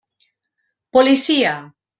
Policia!